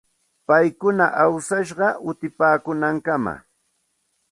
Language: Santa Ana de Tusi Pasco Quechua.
Paykuna awsashqa utipaakuunankamam.